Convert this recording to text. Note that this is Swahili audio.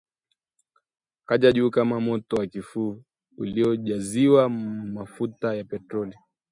Kaja juu kama moto wa kifuu uliojaziwa mafuta ya petroli